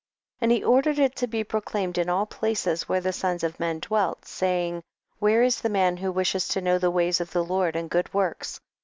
6. And he ordered it to be pro claimed in all places where the sons of men dwelt, saying, where is the man who wishes to know the ways of the Lord and good works